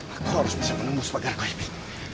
aku harus bisa menembus pagar kau ipin